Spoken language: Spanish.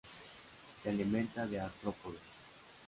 Se alimenta de artrópodos.